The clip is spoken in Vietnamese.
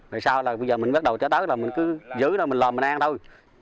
về sau là bây giờ mình bắt đầu cho tới là mình cứ giữ là mình lồng mình ăn thôi